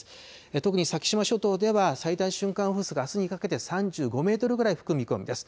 特に先島諸島では、最大瞬間風速あすにかけて３５メートルぐらい吹く見込みです。